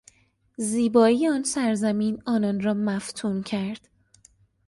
زیبایی آن سرزمین آنان را مفتون کرد.